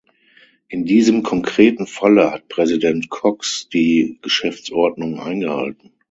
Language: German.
In diesem konkreten Falle hat Präsident Cox die Geschäftsordnung eingehalten.